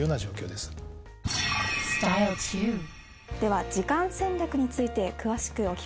では「時間戦略」について詳しくお聞かせください。